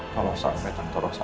kalau saat ini tante rosa tahu